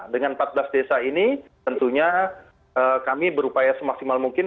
dengan empat belas desa ini tentunya kami berupaya semaksimal mungkin